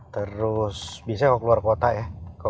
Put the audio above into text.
terus biasanya kalau keluar kota ya